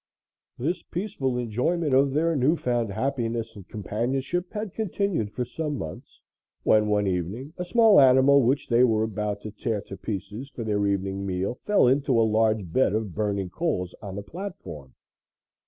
This peaceful enjoyment of their new found happiness and companionship had continued for some months, when one evening a small animal which they were about to tear to pieces for their evening meal, fell into a large bed of burning coals on the platform.